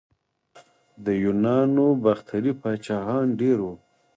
د یونانو باختري پاچاهان ډیر وو